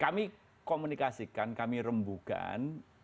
kami komunikasikan kami rembukan